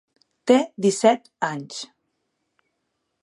Té disset anys.